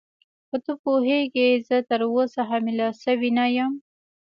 خو ته پوهېږې زه تراوسه حامله شوې نه یم.